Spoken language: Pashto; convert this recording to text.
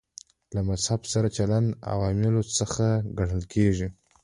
له مذهب سره چلند عواملو څخه ګڼل کېږي.